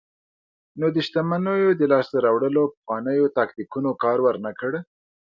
نو د شتمنیو د لاسته راوړلو پخوانیو تاکتیکونو کار ورنکړ.